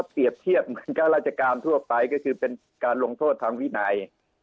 ถ้าเปรียบเทียบกับราชกรรมทั่วไปก็คือเป็นการลงโทษทางวินัย